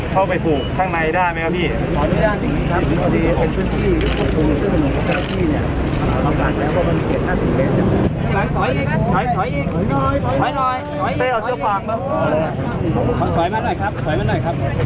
สามารถเข้าไปผูกข้างในได้ไหมครับพี่